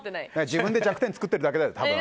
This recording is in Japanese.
自分で弱点作ってるだけだよ多分。